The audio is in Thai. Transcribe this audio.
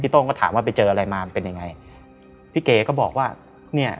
โต้งก็ถามว่าไปเจออะไรมามันเป็นยังไงพี่เก๋ก็บอกว่าเนี่ย